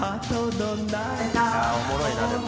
おもろいなでも。